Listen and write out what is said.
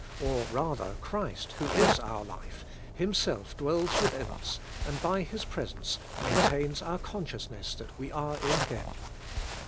Or rather, Christ, who is our life, Himself dwells within us, and by His presence maintains our consciousness that we are in Him.